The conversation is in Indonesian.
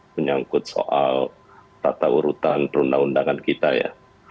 menyangkut soal tata urutan perundang undangan kita ya